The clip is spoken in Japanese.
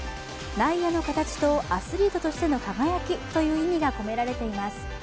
内野の形とアスリートとしての輝きという意味が込められています。